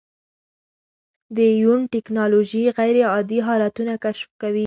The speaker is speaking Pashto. د یون ټېکنالوژي غیرعادي حالتونه کشف کوي.